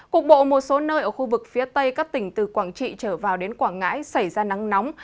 cục bộ một số nơi ở khu vực phía tây các tỉnh từ quảng trị trở vào đến quảng ngãi xảy ra nắng nóng